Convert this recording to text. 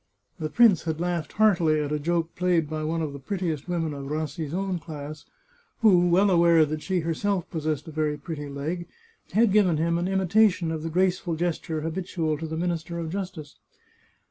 The prince had laughed heartily at a joke played by one of the prettiest women of Rassi's own class, who, well aware that she her self possessed a very pretty leg, had given him an imitation: of the graceful gesture habitual to the Minister of Justice.